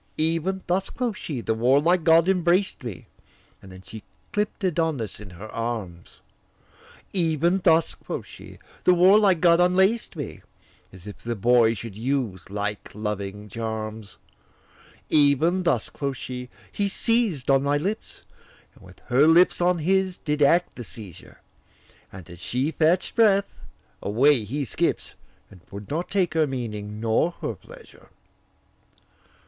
'Even thus,' quoth she, 'the warlike god embraced me,' And then she clipp'd Adonis in her arms; 'Even thus,' quoth she, 'the warlike god unlaced me,' As if the boy should use like loving charms; 'Even thus,' quoth she, 'he seized on my lips And with her lips on his did act the seizure And as she fetched breath, away he skips, And would not take her meaning nor her pleasure.